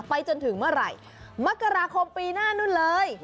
จนถึงเมื่อไหร่มกราคมปีหน้านู่นเลย